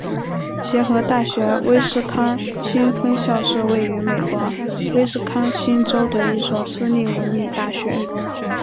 协和大学威斯康辛分校是位于美国威斯康辛州的一所私立文理大学。